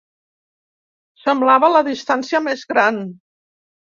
Semblava la distància més gran.